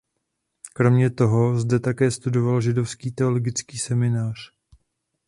Kromě toho zde také studoval židovský teologický seminář.